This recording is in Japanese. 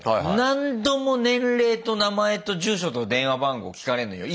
何度も年齢と名前と住所と電話番号聞かれんのよ。